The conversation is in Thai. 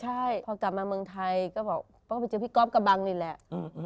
ใช่พอกลับมาเมืองไทยก็บอกต้องไปเจอพี่ก๊อฟกระบังนี่แหละ